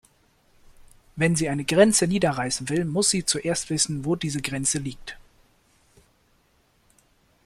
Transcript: Wenn sie eine Grenze niederreißen will, muss sie zuerst wissen, wo diese Grenze liegt.